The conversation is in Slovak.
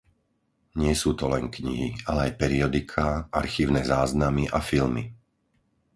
Nie sú to len knihy, ale aj periodiká, archívne záznamy a filmy.